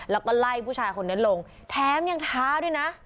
แล้วก็ไล่ผู้ชายคนนั้นลงแถมยังท้าด้วยนะ